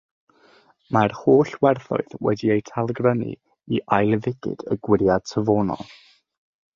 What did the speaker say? Mae'r holl werthoedd wedi cael eu talgrynnu i ail ddigid y gwyriad safonol.